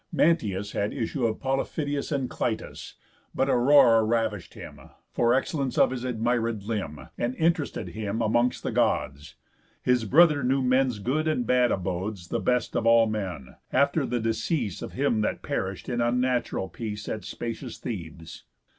Mantius had issue Polyphidius, And Clytus, but Aurora ravish'd him, For excellence of his admiréd limb, And interested him amongst the Gods. His brother knew men's good and bad abodes The best of all men, after the decease Of him that perish'd in unnatural peace At spacious Thebes.